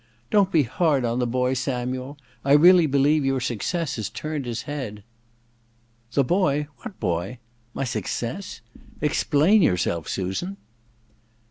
* Don*t be hard on the boy, Samuel ! I really believe your success has turned his head/ • The boy — ^what boy ? My success ? Explain yourself, Susan